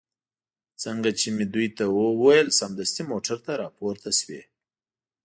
څنګه چې مې دوی ته هو وویل، سمدستي موټر ته را پورته شوې.